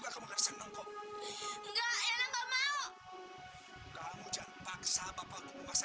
kamu jangan paksa